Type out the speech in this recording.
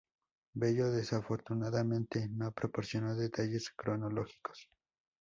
Bello desafortunadamente no proporcionó detalles cronológicos.